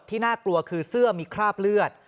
น่ากลัวคือเสื้อมีคราบเลือด